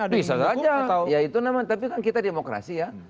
bisa saja tapi kan kita demokrasi ya